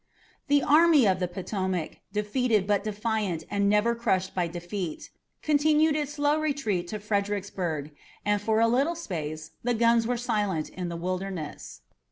The Army of the Potomac, defeated but defiant and never crushed by defeat, continued its slow retreat to Fredericksburg, and for a little space the guns were silent in the Wilderness.